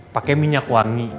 pakai minyak wangi